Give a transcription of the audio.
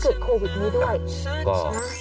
เบื้องต้น๑๕๐๐๐และยังต้องมีค่าสับประโลยีอีกนะครับ